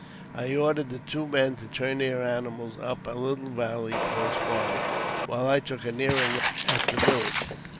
I ordered the two men to turn their animals up a little valley _^ close by, while I took a nearer look at the village.